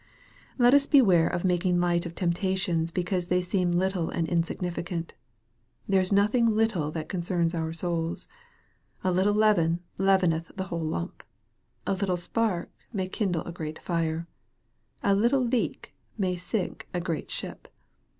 Let us beware of making light of temptations because they seem little and insignificant. There is nothing little that concerns our souls. A little leaven leaveneth the whole lump. A little spark may kindle a great fire. A little leak may sink a great ship.